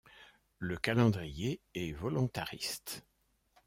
Le calendrier est volontariste.